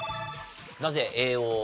なぜＡを？